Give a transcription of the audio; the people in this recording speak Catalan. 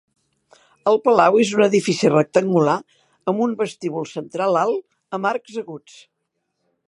El palau és un edifici rectangular amb un vestíbul central alt amb arcs aguts.